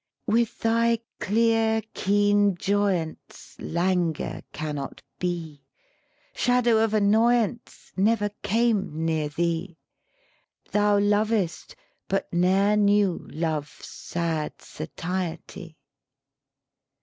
"With thy clear, keen joyance Languor cannot be: Shadow of annoyance Never came near thee: Thou lovest; but ne'er knew love's sad satiety.